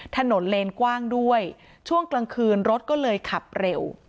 เลนกว้างด้วยช่วงกลางคืนรถก็เลยขับเร็ว